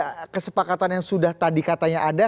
ada kesepakatan yang sudah tadi katanya ada